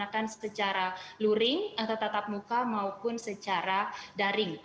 dilaksanakan secara luring atau tatap muka maupun secara daring